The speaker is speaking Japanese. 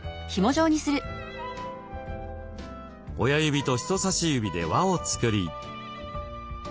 親指と人さし指で輪を作り。